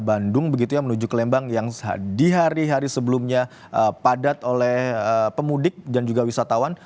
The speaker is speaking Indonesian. bandung begitu ya menuju ke lembang yang di hari hari sebelumnya padat oleh pemudik dan juga wisatawan